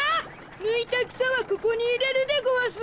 ぬいたくさはここにいれるでごわす。